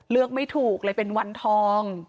เลือกไม่ถูกเลยเป็นวันทอง